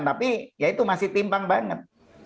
tapi ya itu masih timpang banget